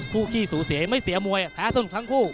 ขี้สูเสียไม่เสียมวยแพ้สนุกทั้งคู่